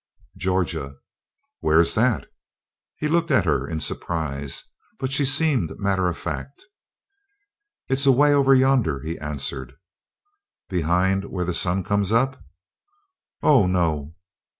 "Georgia." "Where's that?" He looked at her in surprise, but she seemed matter of fact. "It's away over yonder," he answered. "Behind where the sun comes up?" "Oh, no!"